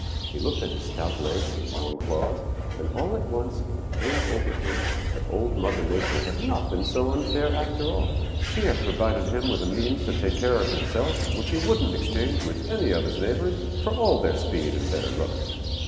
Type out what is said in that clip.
He looked at his stout legs and long claws, and all at once it came over him that Old Mother Nature had not been so unfair after all. She had provided him with a means to take care of himself which he wouldn't exchange with any of his neighbors for all their speed and better looks.